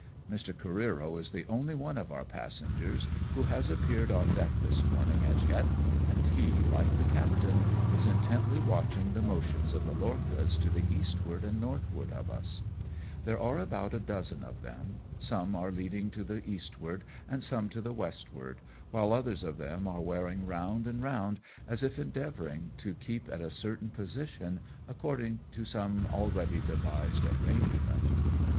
Mr. Oareero is the only one of our passengers who JFE OUTMANCEUVRE THE LORCHAS. 115 has appeared on deck this morning as yet, and he, like the captain, is intently watching the motions of the lorchas to the eastward and northward of us. There are about a dozen of them ; some are leading to the eastward and some to the westward ; while others of them are wearing round and round, as if endeavouring to keep in a certain position, according to some already devised arrangement.